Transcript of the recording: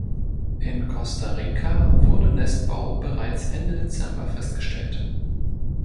In Costa Rica wurde Nestbau bereits Ende Dezember festgestellt.